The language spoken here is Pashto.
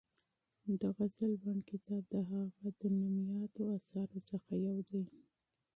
د غزل بڼ کتاب د هغه د مشهورو اثارو څخه یو دی.